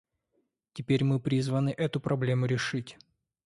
Теперь мы призваны эту проблему решить.